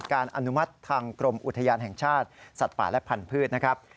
อนุมัติทางกรมอุทยานแห่งชาติสัตว์ป่าและพันธุ์นะครับ